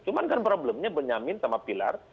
cuman kan problemnya benyamin sama pilar